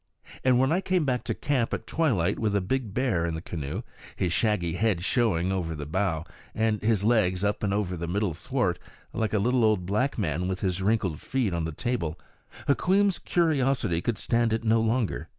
And when I came back to camp at twilight with a big bear in the canoe, his shaggy head showing over the bow, and his legs up over the middle thwart, like a little old black man with his wrinkled feet on the table, Hukweem's curiosity could stand it no longer.